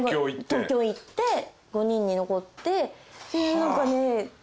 東京行って５人に残って。